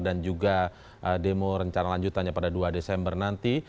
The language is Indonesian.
dan juga demo rencana lanjutannya pada dua desember nanti